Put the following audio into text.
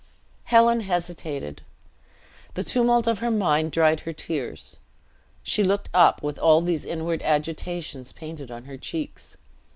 Helen hesitated. The tumult of her mind dried her tears. She looked up, with all these inward agitations painted on her cheeks.